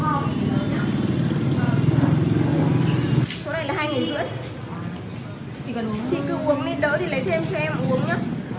chị cứ uống lên đó thì lấy thêm cho em uống nhé